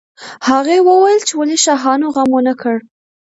هغوی وویل چې ولې شاهانو غم ونه کړ.